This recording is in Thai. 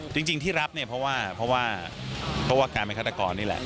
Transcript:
จริงที่รับเนี่ยเพราะว่าเพราะว่าการเป็นฆาตกรนี่แหละ